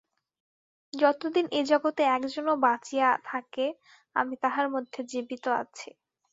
যতদিন এ জগতে একজনও বাঁচিয়া থাকে, আমি তাহার মধ্যে জীবিত আছি।